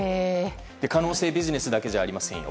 可能性はビジネスだけじゃありません。